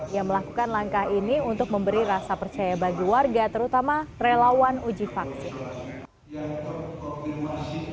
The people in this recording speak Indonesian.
yang melakukan langkah ini untuk memberi rasa percaya bagi warga terutama relawan uji vaksin